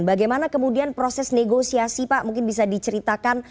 bagaimana kemudian proses negosiasi pak mungkin bisa diceritakan